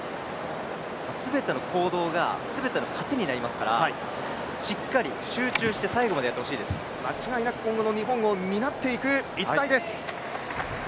全ての行動が全ての糧になりますからしっかり集中して間違いなく今後の日本を担っていく逸材です。